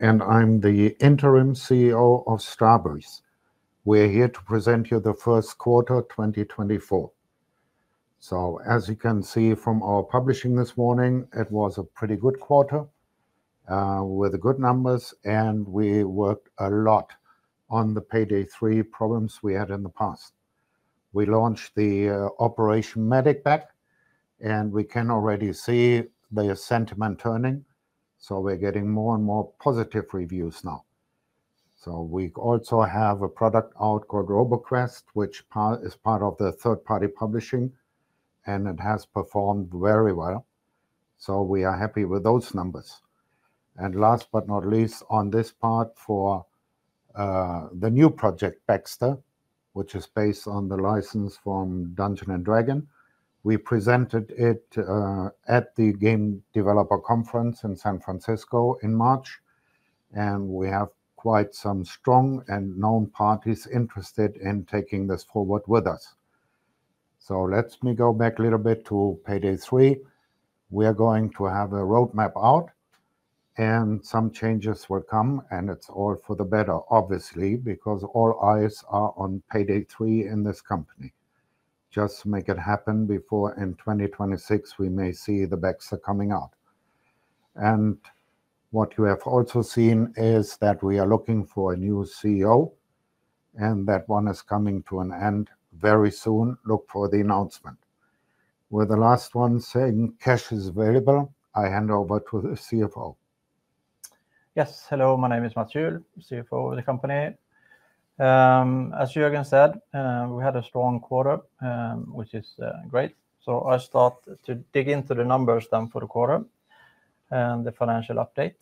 I'm the Interim CEO of Starbreeze. We're here to present you the first quarter 2024. As you can see from our publishing this morning, it was a pretty good quarter with good numbers, and we worked a lot on the Payday 3 problems we had in the past. We launched the Operation Medic Bag, and we can already see the sentiment turning. We're getting more and more positive reviews now. We also have a product out called Roboquest, which is part of the third-party publishing, and it has performed very well. We are happy with those numbers. Last but not least, on this part for the new Project Baxter, which is based on the license from Dungeons & Dragons, we presented it at the Game Developers Conference in San Francisco in March. We have quite some strong and known parties interested in taking this forward with us. So let me go back a little bit to Payday 3. We are going to have a roadmap out, and some changes will come. And it's all for the better, obviously, because all eyes are on Payday 3 in this company. Just make it happen before in 2026 we may see the Baxter coming out. And what you have also seen is that we are looking for a new CEO, and that one is coming to an end very soon. Look for the announcement. With the last one saying cash is available, I hand over to the CFO. Yes. Hello. My name is Mats Juhl, CFO of the company. As Jürgen said, we had a strong quarter, which is great. So I start to dig into the numbers then for the quarter and the financial update.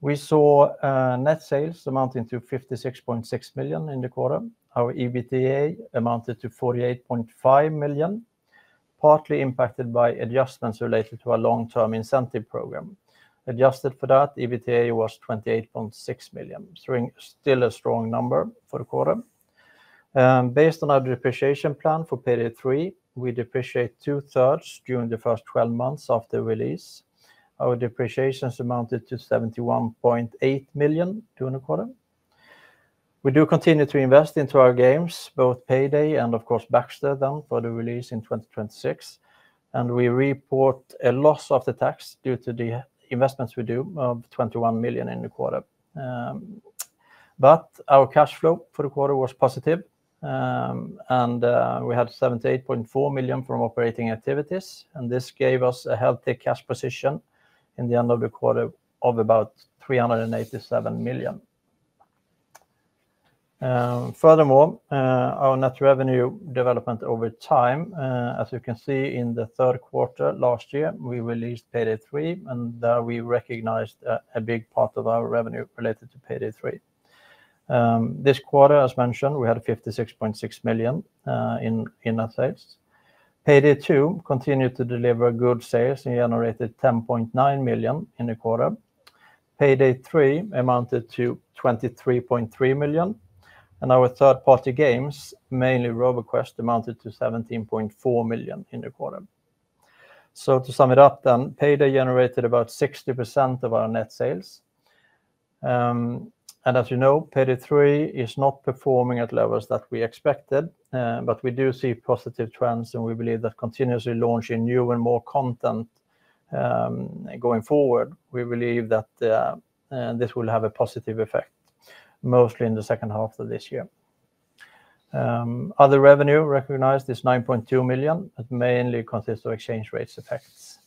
We saw net sales amounting to 56.6 million in the quarter. Our EBITDA amounted to 48.5 million, partly impacted by adjustments related to our long-term incentive program. Adjusted for that, EBITDA was 28.6 million, still a strong number for the quarter. Based on our depreciation plan for Payday 3, we depreciate 2/3 during the first 12 months after release. Our depreciations amounted to 71.8 million during the quarter. We do continue to invest into our games, both Payday and, of course, Baxter then for the release in 2026. And we report a loss after tax due to the investments we do of 21 million in the quarter. But our cash flow for the quarter was positive. We had 78.4 million from operating activities. This gave us a healthy cash position in the end of the quarter of about 387 million. Furthermore, our net revenue development over time, as you can see in the third quarter last year, we released Payday 3. There we recognized a big part of our revenue related to Payday 3. This quarter, as mentioned, we had 56.6 million in net sales. Payday 2 continued to deliver good sales and generated 10.9 million in the quarter. Payday 3 amounted to 23.3 million. Our third-party games, mainly RoboQuest, amounted to 17.4 million in the quarter. To sum it up then, Payday generated about 60% of our net sales. As you know, Payday 3 is not performing at levels that we expected. But we do see positive trends. We believe that continuously launching new and more content going forward, we believe that this will have a positive effect, mostly in the second half of this year. Other revenue recognized is 9.2 million. It mainly consists of exchange rates effects.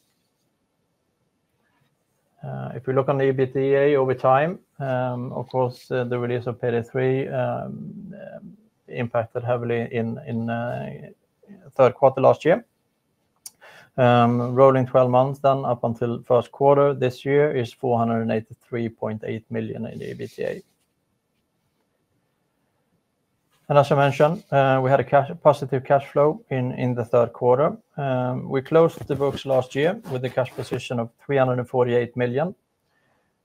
If we look on the EBITDA over time, of course, the release of Payday 3 impacted heavily in third quarter last year. Rolling 12 months then up until first quarter this year is 483.8 million in the EBITDA. As I mentioned, we had a positive cash flow in the third quarter. We closed the books last year with a cash position of 348 million.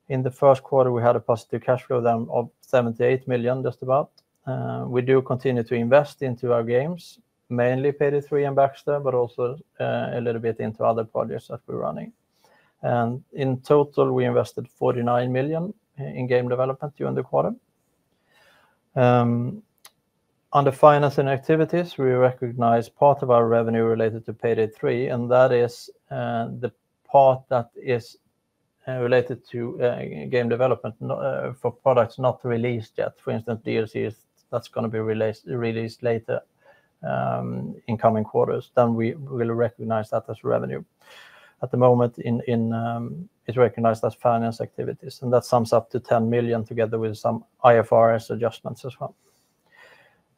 In the first quarter, we had a positive cash flow then of 78 million, just about. We do continue to invest into our games, mainly Payday 3 and Baxter, but also a little bit into other projects that we're running. In total, we invested 49 million in game development during the quarter. Under financing activities, we recognize part of our revenue related to Payday 3. That is the part that is related to game development for products not released yet. For instance, DLCs that's going to be released later in coming quarters, then we will recognize that as revenue. At the moment, it's recognized as financing activities. That sums up to 10 million together with some IFRS adjustments as well.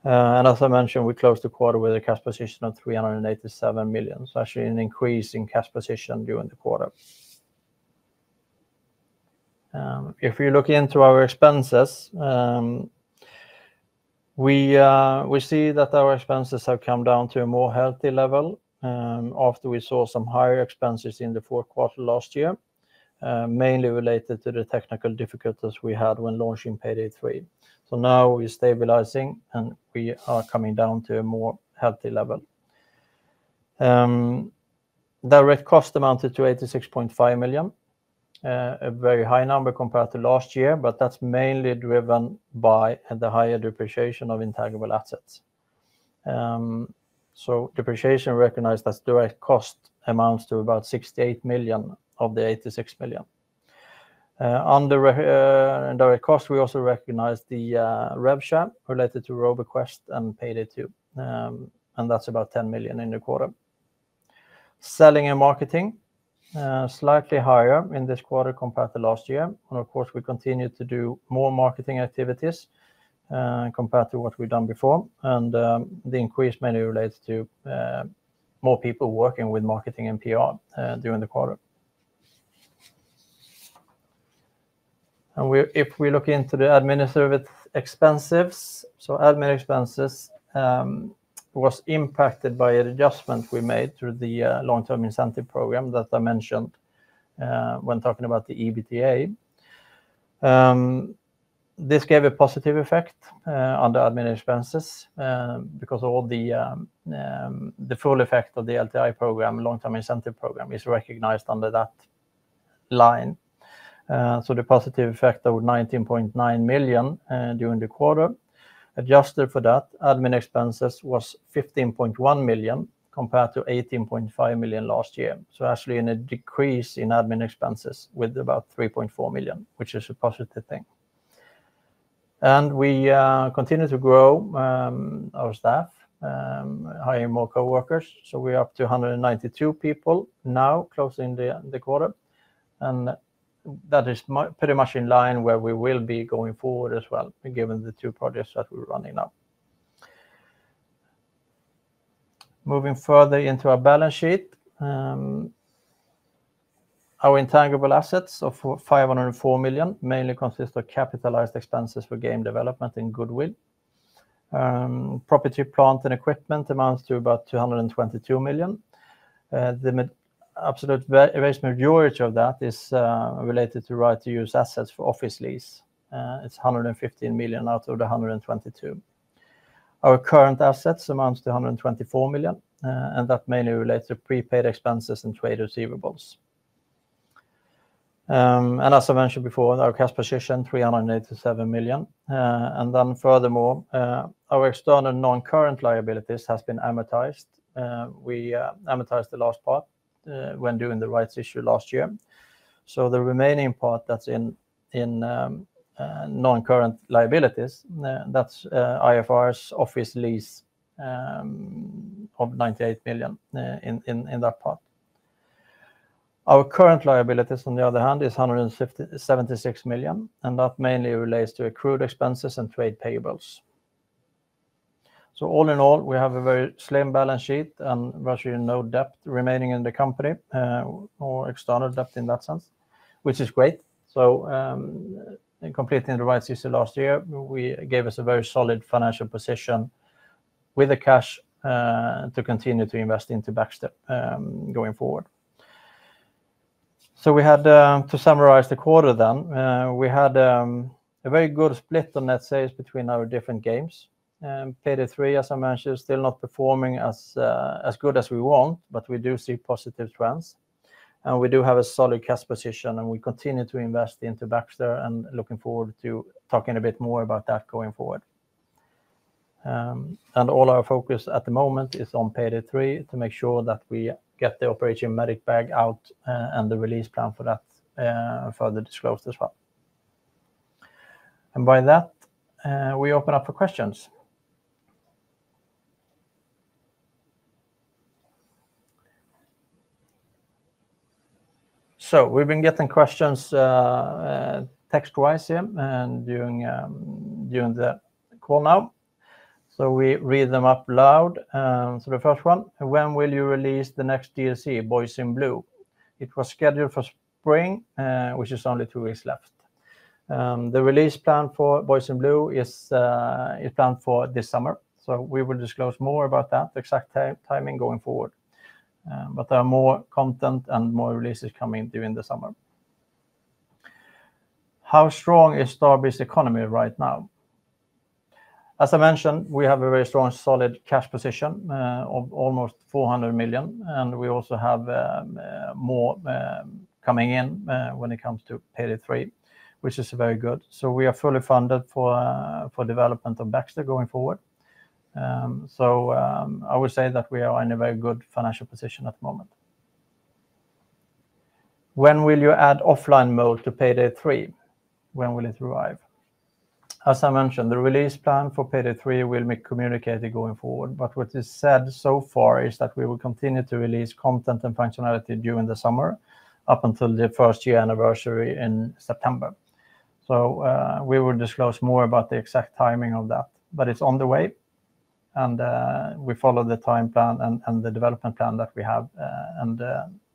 As I mentioned, we closed the quarter with a cash position of 387 million, so actually an increase in cash position during the quarter. If you look into our expenses, we see that our expenses have come down to a more healthy level after we saw some higher expenses in the fourth quarter last year, mainly related to the technical difficulties we had when launching Payday 3. So now we're stabilizing, and we are coming down to a more healthy level. Direct cost amounted to 86.5 million, a very high number compared to last year. But that's mainly driven by the higher depreciation of intangible assets. So depreciation recognized as direct cost amounts to about 68 million of the 86 million. Under direct cost, we also recognize the rev share related to Roboquest and Payday 2. And that's about 10 million in the quarter. Selling and marketing, slightly higher in this quarter compared to last year. And of course, we continue to do more marketing activities compared to what we've done before. The increase mainly relates to more people working with marketing and PR during the quarter. If we look into the administrative expenses, so admin expenses was impacted by an adjustment we made through the long-term incentive program that I mentioned when talking about the EBITDA. This gave a positive effect under admin expenses because all the full effect of the LTI program, long-term incentive program, is recognized under that line. So the positive effect of 19.9 million during the quarter, adjusted for that, admin expenses was 15.1 million compared to 18.5 million last year. So actually in a decrease in admin expenses with about 3.4 million, which is a positive thing. We continue to grow our staff, hiring more coworkers. So we're up to 192 people now closing the quarter. That is pretty much in line where we will be going forward as well, given the two projects that we're running now. Moving further into our balance sheet, our intangible assets of 504 million mainly consist of capitalized expenses for game development and goodwill. Property, plant, and equipment amounts to about 222 million. The absolute vast majority of that is related to right-of-use assets for office lease. It's 115 million out of the 122. Our current assets amounts to 124 million. That mainly relates to prepaid expenses and trade receivables. As I mentioned before, our cash position, 387 million. Then furthermore, our external non-current liabilities have been amortized. We amortized the last part when doing the rights issue last year. So the remaining part that's in non-current liabilities, that's IFRS office lease of 98 million in that part. Our current liabilities, on the other hand, is 176 million. And that mainly relates to accrued expenses and trade payables. So all in all, we have a very slim balance sheet and virtually no debt remaining in the company, or external debt in that sense, which is great. So completing the rights issue last year, we gave us a very solid financial position with the cash to continue to invest into Baxter going forward. So to summarize the quarter then, we had a very good split on net sales between our different games. Payday 3, as I mentioned, is still not performing as good as we want. But we do see positive trends. And we do have a solid cash position. And we continue to invest into Baxter and looking forward to talking a bit more about that going forward. All our focus at the moment is on Payday 3 to make sure that we get the Operation Medic Bag out and the release plan for that further disclosed as well. By that, we open up for questions. We've been getting questions text-wise here during the call now. We read them out loud. The first one: When will you release the next DLC, Boys in Blue? It was scheduled for spring, which is only two weeks left. The release plan for Boys in Blue is planned for this summer. We will disclose more about that, the exact timing going forward. But there are more content and more releases coming during the summer. How strong is Starbreeze's economy right now? As I mentioned, we have a very strong, solid cash position of almost 400 million. We also have more coming in when it comes to Payday 3, which is very good. We are fully funded for development of Baxter going forward. I would say that we are in a very good financial position at the moment. When will you add offline mode to Payday 3? When will it arrive? As I mentioned, the release plan for Payday 3 will be communicated going forward. But what is said so far is that we will continue to release content and functionality during the summer up until the first year anniversary in September. So we will disclose more about the exact timing of that. But it's on the way. And we follow the time plan and the development plan that we have. And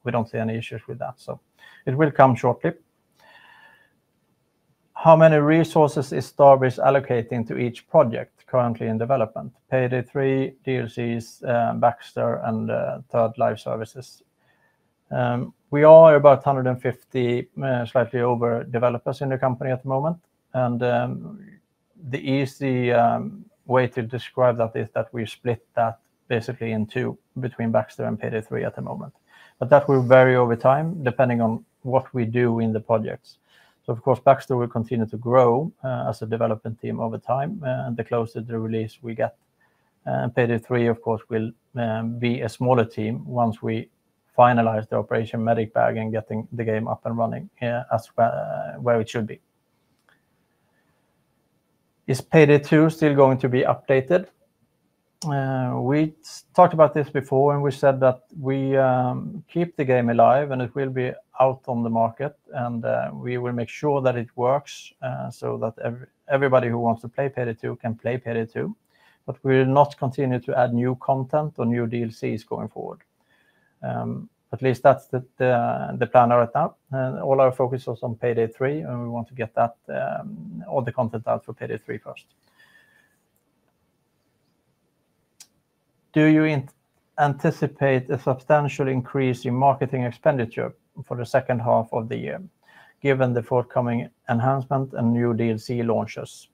we don't see any issues with that. So it will come shortly. How many resources is Starbreeze allocating to each project currently in development? Payday 3, DLCs, Baxter, and third live services. We are about 150, slightly over, developers in the company at the moment. The easy way to describe that is that we split that basically in two between Baxter and Payday 3 at the moment. That will vary over time, depending on what we do in the projects. Of course, Baxter will continue to grow as a development team over time. The closer the release we get, Payday 3, of course, will be a smaller team once we finalize the Operation Medic Bag and getting the game up and running where it should be. Is Payday 2 still going to be updated? We talked about this before. We said that we keep the game alive. It will be out on the market. We will make sure that it works so that everybody who wants to play Payday 2 can play Payday 2. But we will not continue to add new content or new DLCs going forward. At least that's the plan right now. All our focus is on Payday 3. We want to get all the content out for Payday 3 first. Do you anticipate a substantial increase in marketing expenditure for the second half of the year, given the forthcoming enhancement and new DLC launches?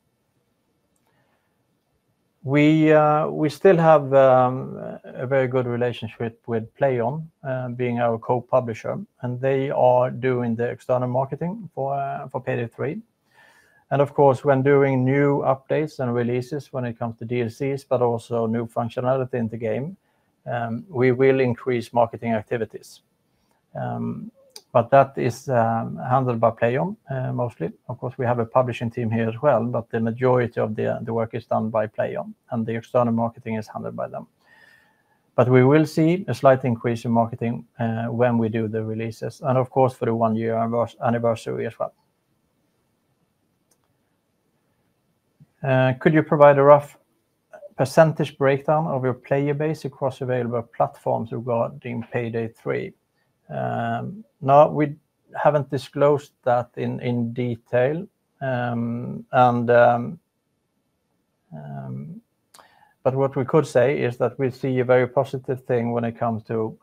We still have a very good relationship with PLAION, being our co-publisher. They are doing the external marketing for Payday 3. Of course, when doing new updates and releases when it comes to DLCs, but also new functionality in the game, we will increase marketing activities. But that is handled by PLAION mostly. Of course, we have a publishing team here as well. But the majority of the work is done by PLAION. And the external marketing is handled by them. But we will see a slight increase in marketing when we do the releases, and of course, for the one-year anniversary as well. Could you provide a rough percentage breakdown of your player base across available platforms regarding Payday 3? Now, we haven't disclosed that in detail. But what we could say is that we see a very positive thing when it comes to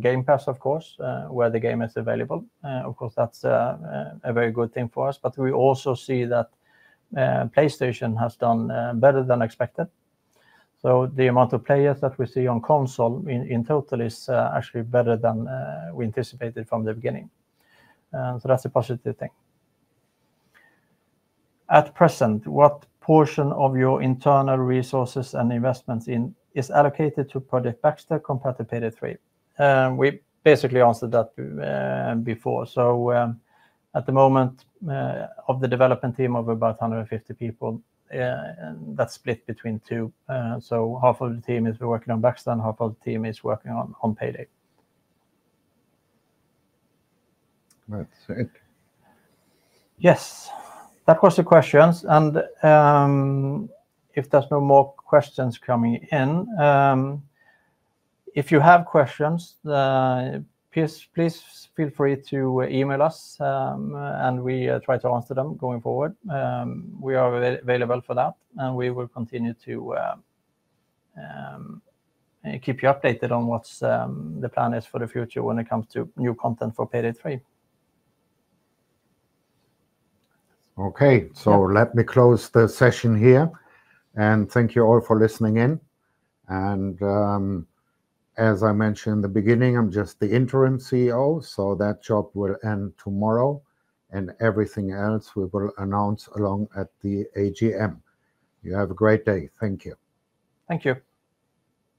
Game Pass, of course, where the game is available. Of course, that's a very good thing for us. But we also see that PlayStation has done better than expected. So the amount of players that we see on console in total is actually better than we anticipated from the beginning. So that's a positive thing. At present, what portion of your internal resources and investments is allocated to Project Baxter compared to Payday 3? We basically answered that before. So at the moment, of the development team of about 150 people, that's split between two. So half of the team is working on Baxter. And half of the team is working on Payday. Right. So it. Yes. That was the questions. And if there's no more questions coming in, if you have questions, please feel free to email us. And we try to answer them going forward. We are available for that. And we will continue to keep you updated on what the plan is for the future when it comes to new content for Payday 3. OK. Let me close the session here. Thank you all for listening in. As I mentioned in the beginning, I'm just the Interim CEO. That job will end tomorrow. Everything else, we will announce along at the AGM. You have a great day. Thank you. Thank you.